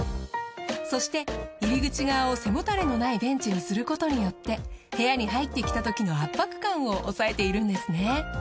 そして入り口側を背もたれのないベンチにすることによって部屋に入ってきたときの圧迫感を抑えているんですね。